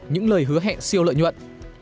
những lời hứa hẹn siêu lợi nhuận